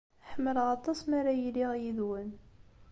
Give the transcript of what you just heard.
Ḥemmleɣ aṭas mi ara iliɣ yid-wen.